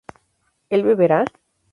¿él beberá?